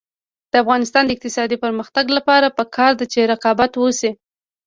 د افغانستان د اقتصادي پرمختګ لپاره پکار ده چې رقابت وشي.